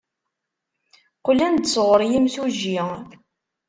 Qqlen-d sɣur yimsujji.